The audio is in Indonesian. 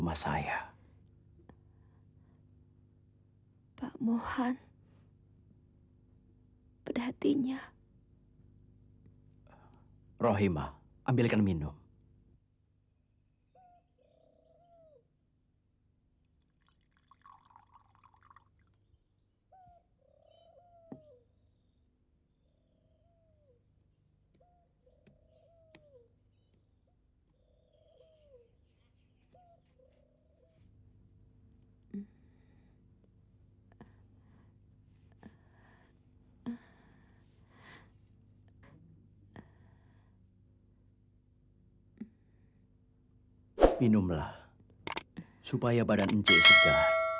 minumlah supaya badan encik segar